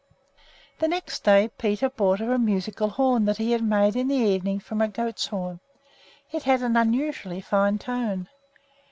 The next day Peter brought her a musical horn that he had made in the evenings from a goat's horn. It had an unusually fine tone.